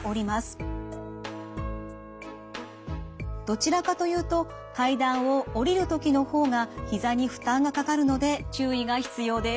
どちらかというと階段を下りるときのほうがひざに負担がかかるので注意が必要です。